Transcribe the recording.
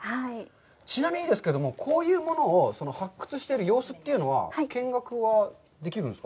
ちなみにですけども、こういうものを発掘してる様子というのは、見学はできるんですか。